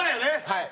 はい。